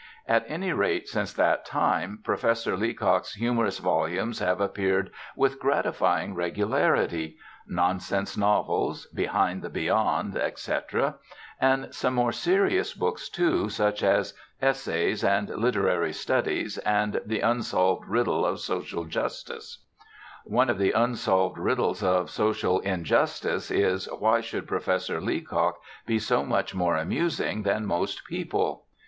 At any rate, since that time Professor Leacock's humorous volumes have appeared with gratifying regularity Nonsense Novels, Behind the Beyond, etc.; and some more serious books too, such as Essays and Literary Studies and The Unsolved Riddle of Social Justice. One of the unsolved riddles of social injustice is, why should Professor Leacock be so much more amusing than most people?